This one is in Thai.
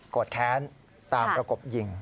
ก็กดแค้นตามกระกบหยิง